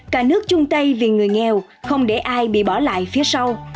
cả nước chung tay vì người nghèo không để ai bị bỏ lại phía sau